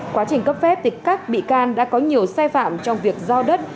quá trình cấp phép thì các bị can đã có nhiều sai phạm trong việc giao đất